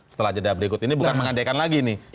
setelah jeda berikut ini bukan mengandekan lagi nih